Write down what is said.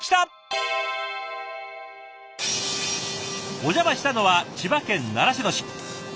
お邪魔したのは千葉県習志野市。